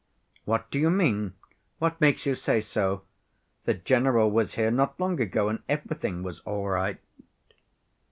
" 'What do you mean? What makes you say so? The general was here not long ago, and everything was all right.